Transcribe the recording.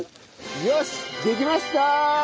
よしできましたー！